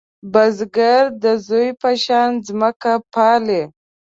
بزګر د زوی په شان ځمکه پالې